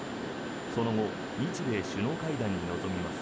その後日米首脳会談に臨みます。